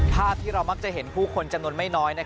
ภาพที่เรามักจะเห็นผู้คนจำนวนไม่น้อย